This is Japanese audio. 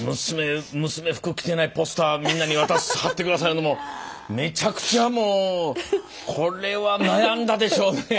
娘服着てないポスターみんなに渡して貼って下さい言うのもめちゃくちゃもうこれは悩んだでしょうね。